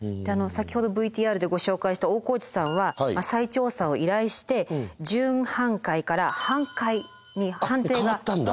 先ほどＶＴＲでご紹介した大河内さんは再調査を依頼して準半壊から半壊に判定が変わったんですって。